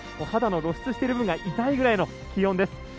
肌の露出している部分が痛いぐらいの気温です。